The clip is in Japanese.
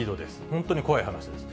本当に怖い話です。